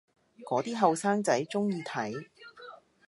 嗰啲後生仔鍾意睇